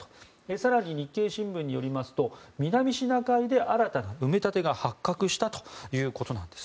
更に、日経新聞によりますと南シナ海で新たな埋め立てが発覚したということです。